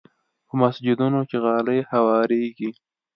په مسجدونو کې غالۍ هوارېږي.